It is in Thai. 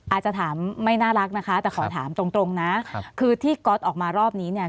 อาจจะถามไม่น่ารักนะคะแต่ขอถามตรงนะคือที่ก๊อตออกมารอบนี้เนี่ย